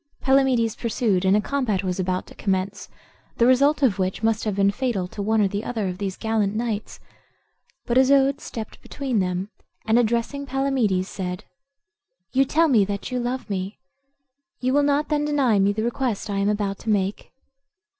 Palamedes pursued, and a combat was about to commence, the result of which must have been fatal to one or other of these gallant knights; but Isoude stepped between them, and, addressing Palamedes, said, "You tell me that you love me; you will not then deny me the request I am about to make?"